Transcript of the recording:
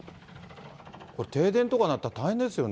停電とかなったら、大変ですよね。